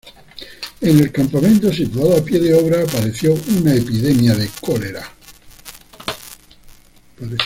En el campamento situado a pie de obra apareció una epidemia de cólera.